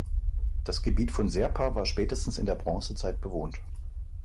Das Gebiet von Serpa war spätestens in der Bronzezeit bewohnt.